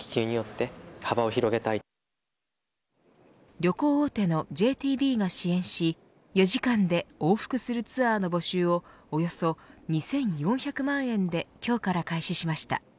旅行大手のＪＴＢが支援し４時間で往復するツアーの募集をおよそ２４００万円で今日から開始しました。